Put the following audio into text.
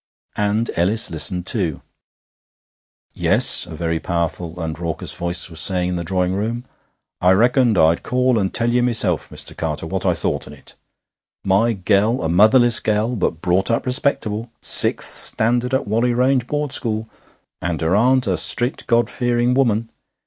And Ellis listened, too. 'Yes,' a very powerful and raucous voice was saying in the drawing room, 'I reckoned I'd call and tell ye myself, Mister Carter, what I thought on it. My gell, a motherless gell, but brought up respectable; sixth standard at Whalley Range Board School; and her aunt a strict God fearing woman!